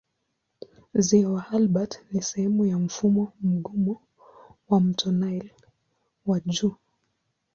Ziwa Albert ni sehemu ya mfumo mgumu wa mto Nile wa juu.